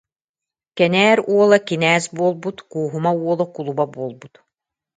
Кэнээр уола кинээс буолбут, Кууһума уола кулуба буолбут